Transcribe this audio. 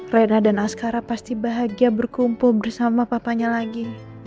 rena dan askara pasti bahagia berkumpul bersama papanya lagi